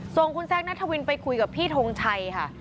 ส่งคุณแซคนัทวินไปคุยกับพี่ทงชัยค่ะ